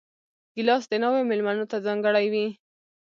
ګیلاس د ناوې مېلمنو ته ځانګړی وي.